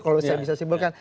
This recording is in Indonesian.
kalau saya bisa simpulkan